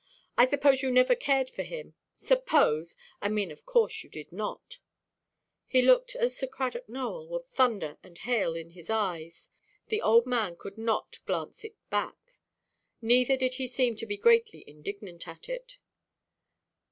I suppose you never cared for him; suppose! I mean of course you did not." He looked at Sir Cradock Nowell, with thunder and hail in his eyes. The old man could not glance it back; neither did he seem to be greatly indignant at it.